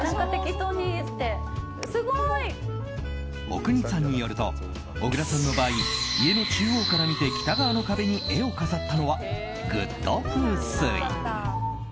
阿国さんによると小倉さんの場合家の中央から見て北側の壁に絵を飾ったのはグッド風水！